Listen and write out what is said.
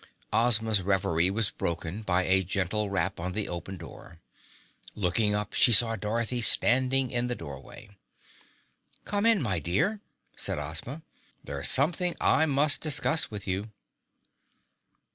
Ozma's reverie was broken by a gentle rap on the open door. Looking up, she saw Dorothy standing in the doorway. "Come in, my dear," said Ozma, "there is something I must discuss with you."